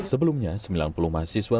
sebelumnya sembilan puluh mahasiswa